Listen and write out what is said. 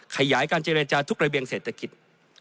ขยายการเจรจาทุกระเบียงเศรษฐกิจ